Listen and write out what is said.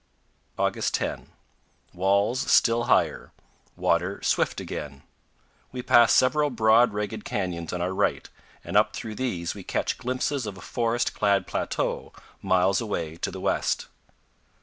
August 10. Walls still higher; water swift again. We pass several broad, ragged canyons on our right, and up through these we catch glimpses of a forest clad plateau, miles away to the west.